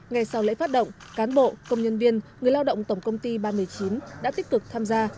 ngày sau lễ phát động cán bộ công nhân viên người lao động tổng công ty ba trăm một mươi chín đã tích cực tham gia